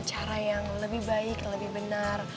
cara yang lebih baik lebih benar